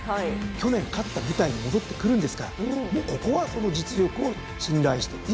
去年勝った舞台に戻ってくるんですからもうここはその実力を信頼していいでしょう。